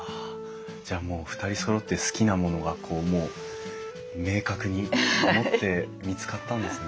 じゃあもう２人そろって好きなものがこうもう明確に見つかったんですね。